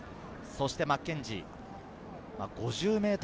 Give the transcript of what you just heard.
そしてマッケンジー、５０ｍ。